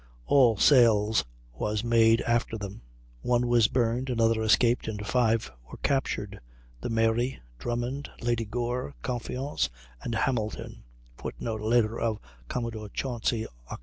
All sails was made after them; one was burned, another escaped, and five were captured, the Mary, Drummond, Lady Gore, Confiance, and Hamilton, [Footnote: Letter of Commodore Chauncy, Oct.